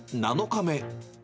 ７日目。